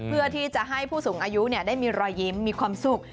เพื่อที่จะให้ผู้สูงอายุได้มีรอยยิ้มมีความสุข